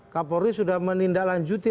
kapolri sudah menindaklanjuti